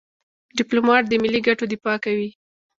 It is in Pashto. ډيپلومات د ملي ګټو دفاع کوي.